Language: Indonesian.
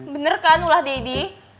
bener kan ulah deddy